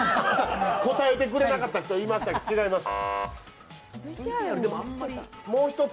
答えてくれなかった人いましたけど、違います。